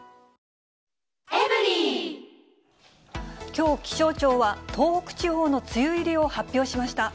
きょう、気象庁は東北地方の梅雨入りを発表しました。